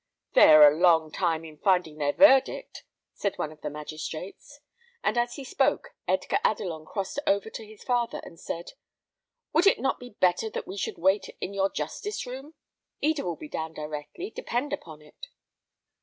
"They are a long time in finding their verdict," said one of the magistrates; and as he spoke Edgar Adelon crossed over to his father, and said, "Would it not be better that we should wait in your justice room? Eda will be down directly, depend upon it."